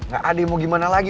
gak ada yang mau gimana lagi